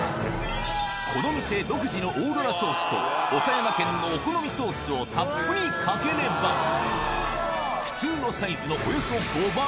この店独自のオーロラソースと、岡山県のお好みソースをたっぷりかければ、普通のサイズのおよそ５倍。